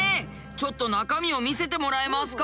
ちょっと中身を見せてもらえますか？